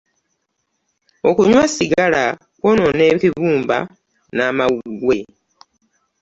Okunywa sigala kwonoona ekibumba n'amawuggwe.